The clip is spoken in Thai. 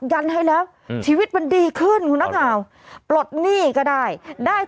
ฮ่าฮ่าฮ่าฮ่าฮ่าฮ่า